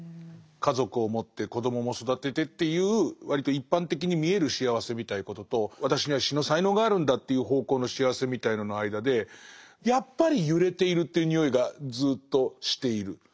家族を持って子どもも育ててっていう割と一般的に見える幸せみたいなことと私には詩の才能があるんだっていう方向の幸せみたいのの間でやっぱり揺れているっていうにおいがずっとしている。